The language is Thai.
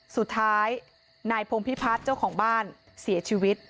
สุดท้ายนายพงพิพัฒน์เจ้าของบ้านเสียชีวิต